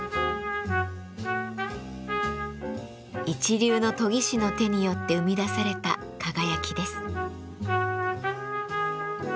一流の研ぎ師の手によって生み出された輝きです。